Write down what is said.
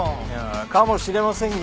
かもしれませんが。